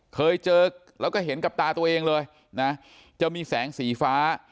เคยเจอแล้วก็เห็นกับตาตัวเองเลยนะจะมีแสงสีฟ้า